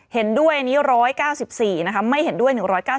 เห็นด้วยอันนี้๑๙๔นะคะไม่เห็นด้วย๑๙๙